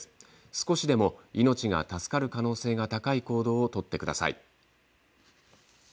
少しでも命が助かる可能性が高い行動をとってください。